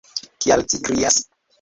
Kial ci krias?